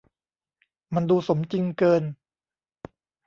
มันดูสมจริงเกิน